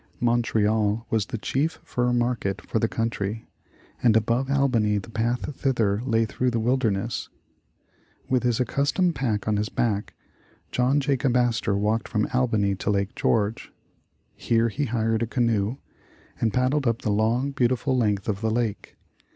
Montreal was the chief fur market of the coun try, and above Albany the path thither lay through the wilderness. With his accustomed pack on his back, John Jacob Astor walked from Albany to Lake George. 62 The Fur Business Here he hired a canoe, and paddled up the long, beautiful length of the lake.